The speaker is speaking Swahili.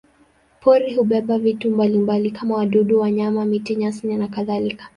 Pori hubeba vitu mbalimbali kama wadudu, wanyama, miti, nyasi nakadhalika.